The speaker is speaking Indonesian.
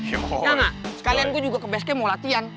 ya nggak sekalian gue juga ke basecamp mau latihan